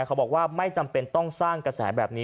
เขาบอกว่าไม่จำเป็นต้องสร้างกระแสแบบนี้